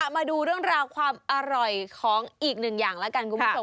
มาดูเรื่องราวความอร่อยของอีกหนึ่งอย่างแล้วกันคุณผู้ชม